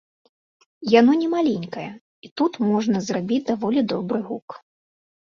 Яно немаленькае і тут можна зрабіць даволі добры гук.